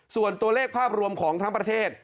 ส่วนตัวเลขภาพรวมของทั้งประเทศ